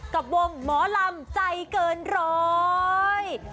กับวงหมอลำใจเกินร้อย